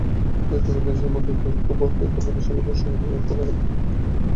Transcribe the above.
একইভাবে দুই দেশের মধ্যে দীর্ঘ বকেয়া থাকা বিষয়গুলোরও সন্তোষজনক সমাধান হয়েছে।